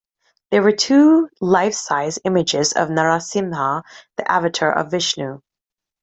There two life size images of Narasimha, the avatar of Vishnu.